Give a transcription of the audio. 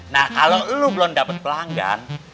nah kalau lo belum dapat pelanggan